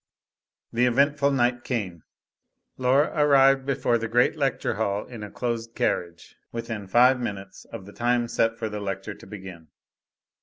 The eventful night came. Laura arrived before the great lecture hall in a close carriage within five minutes of the time set for the lecture to begin.